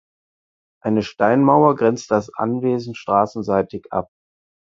Eine Steinmauer grenzt das Anwesen straßenseitig ab.